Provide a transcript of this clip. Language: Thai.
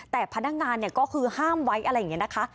แต่พนักงานก็คือห้ามไว้อะไรอย่างนี้นะคะ